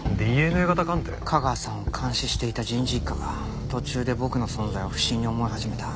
架川さんを監視していた人事一課が途中で僕の存在を不審に思い始めた。